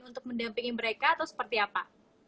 untuk mendampingi mereka atau seperti apa